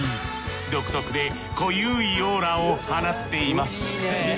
独特で濃ゆいオーラを放っています。